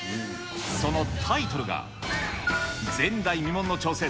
そのタイトルが、前代未聞の挑戦